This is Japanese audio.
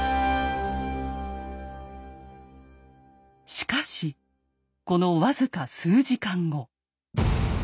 しかしこの僅か数時間後。